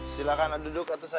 silakan atu duduk atu sayang